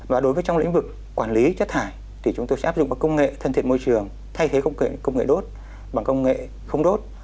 và đối với trong lĩnh vực quản lý chất thải thì chúng tôi sẽ áp dụng các công nghệ thân thiện môi trường thay thế công nghệ đốt bằng công nghệ không đốt